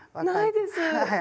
ないです。